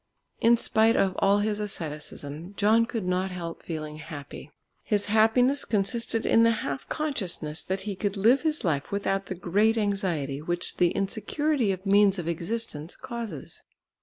In spite of all his asceticism John could not help feeling happy. His happiness consisted in the half consciousness that he could live his life without the great anxiety which the insecurity of means of existence causes.